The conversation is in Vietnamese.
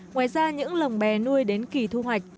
ngoài ra những lồng bè nuôi đến kỳ thu hoạch